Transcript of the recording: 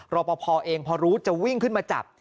รอปภเองพอรู้จะวิ่งขึ้นมาจับ